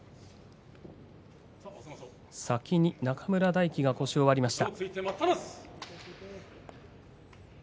先に中村泰輝が腰を割りました。